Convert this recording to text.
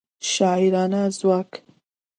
شاعرانه ځواک